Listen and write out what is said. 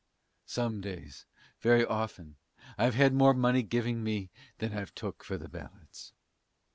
Some days very often I've had more money giving me than I've took for the ballads.